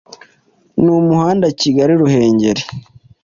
n’umuhanda Kigali-Ruhengeri